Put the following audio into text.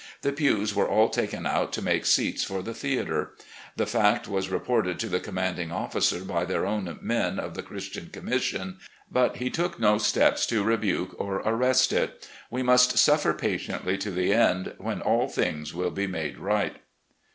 The pews were all taken out to make seats for the theatre. The fact was reported to the commanding officer by their own men of the Christian Commission, but he took no steps to rebuke or arrest it. We must suffer patiently to the end, when all things will be made right.